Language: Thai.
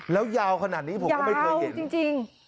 แล้วยาวขนาดนี้ผมก็ไม่เคยเห็นอย่างนี้หรอยาวจริง